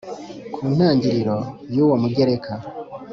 Ku ntangiriro y uwo mugereka